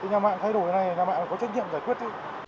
cái nhà mạng thay đổi thế này là nhà mạng phải có trách nhiệm giải quyết